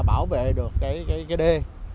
bảo vệ được cái đê